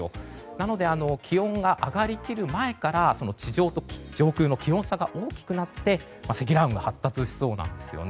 なので、気温が上がりきる前から地上と上空の気温差が大きくなって積乱雲が発達しそうなんです。